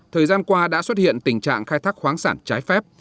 thời gian qua đã xuất hiện tình trạng khai thác khoáng sản trái phép